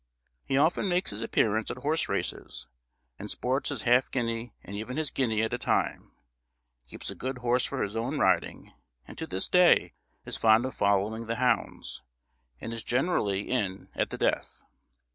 He often makes his appearance at horse races, and sports his half guinea and even his guinea at a time; keeps a good horse for his own riding, and to this day is fond of following the hounds, and is generally in at the death.